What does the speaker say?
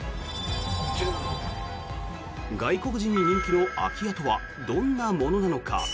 外国人に人気の空き家とはどんなものなのか。